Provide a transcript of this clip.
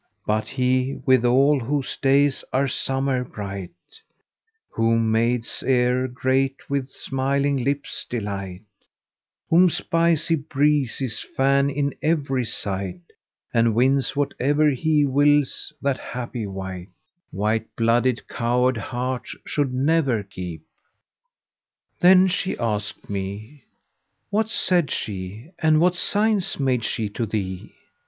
But he, withal, whose days are summer bright, * Whom maids e'er greet with smiling lips' delight; Whom spicey breezes fan in every site * And wins whate'er he wills, that happy wight White blooded coward heart should never keep!" Then she asked me, "What said she, and what signs made she to thee?"